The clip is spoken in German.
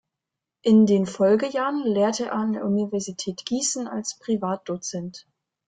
In den Folgejahren lehrte er an der Universität Gießen als Privatdozent.